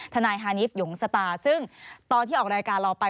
ทนายฮานิสหยุงสตาซึ่งตอนที่ออกรายการเราไป